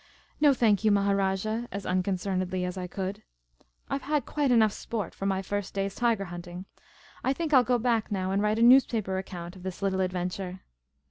" No, thank you, Maharajah," as unconcernedly as I could ;" I 've had quite enough sport for my first day's tiger hunting. I think I '11 go back now, and write a new.s paper account of this little adventure."